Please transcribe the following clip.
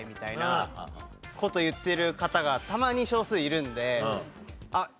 事を言ってる方がたまに少数いるんで。